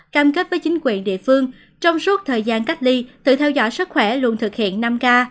cam kết với chính quyền địa phương trong suốt thời gian cách ly tự theo dõi sức khỏe luôn thực hiện năm k